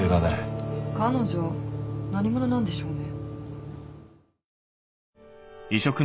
彼女何者なんでしょうね？